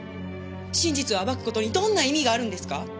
真実を暴く事にどんな意味があるんですか？